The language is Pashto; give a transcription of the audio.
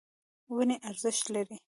ونې ارزښت لري.